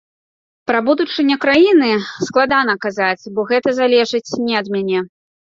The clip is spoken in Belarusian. Пра будучыню краіны складана казаць, бо гэта залежыць не ад мяне.